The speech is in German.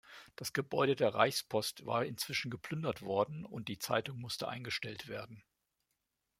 Das Gebäude der Reichspost war inzwischen geplündert worden, und die Zeitung musste eingestellt werden.